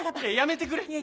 いややめてくれ。